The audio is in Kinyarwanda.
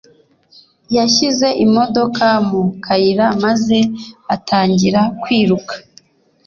Yashize imodoka mu kayira maze atangira kwiruka.